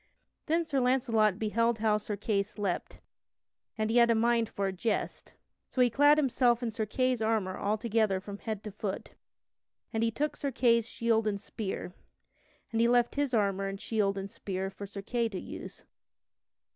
Then Sir Launcelot beheld how Sir Kay slept, and he had a mind for a jest. So he clad himself in Sir Kay's armor altogether from head to foot, and he took Sir Kay's shield and spear, and he left his armor and shield and spear for Sir Kay to use.